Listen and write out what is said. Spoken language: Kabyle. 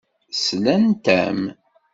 Slant-am.